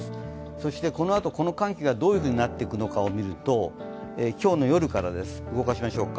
そしてこのあとこの寒気がどういうふうになっていくか見ると今日の夜から動かしましょうか。